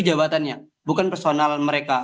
jabatannya bukan personal mereka